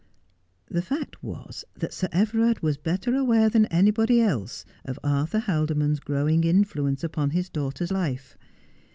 The fact was that Sir Everard was better aware than any body else of Arthur Haldimond's growing influence upon his daughter's life.